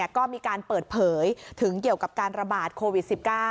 ก็มีการเปิดเผยถึงเกี่ยวกับการระบาดโควิด๑๙